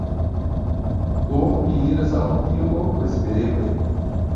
Do, ni iras al tiu loko, espereble